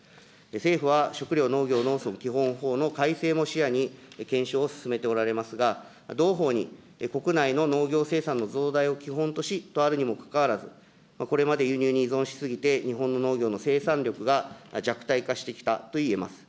政府は食料・農業の基本法の改正も視野に検証を進めておられますが、同法に国内の農業生産の増大を基本としとあるにもかかわらず、これまで輸入に依存し過ぎて、日本の農業の生産力が弱体化してきたと言えます。